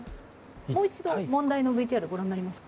もう一度問題のＶＴＲご覧になりますか？